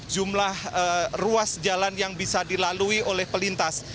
jumlah ruas jalan yang bisa dilalui oleh pelintas